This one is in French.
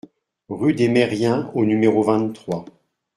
Rue des Meriens au numéro vingt-trois